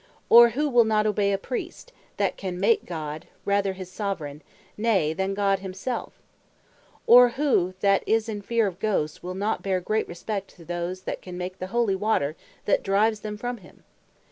Or who will not obey a Priest, that can make God, rather than his Soveraign; nay than God himselfe? Or who, that is in fear of Ghosts, will not bear great respect to those that can make the Holy Water, that drives them from him?